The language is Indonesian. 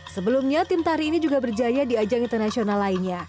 sebelumnya tim tari ini juga berjaya di ajang internasional lainnya